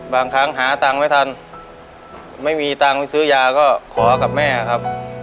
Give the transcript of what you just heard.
บางครั้งหาตังค์ไม่ทันไม่มีตังค์ไปซื้อยาก็ขอกับแม่ครับ